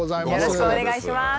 よろしくお願いします。